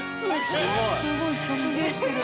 すごい曲芸してる。